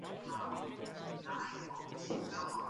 He also swears revenge against Batman (Val Kilmer) for failing to save him.